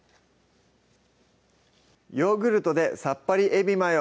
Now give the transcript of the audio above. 「ヨーグルトでさっぱりエビマヨ」